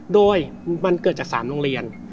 โดยมันเกิดจาก๓โรงเรียน